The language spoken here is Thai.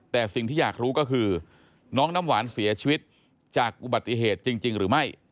แต่สิ่งที่อยากรู้ก็คือน้องน้ำหวานเสียชีวิตจากอุบัติเหตุจริงหรือไม่